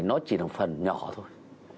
nó chỉ là phần nhỏ thôi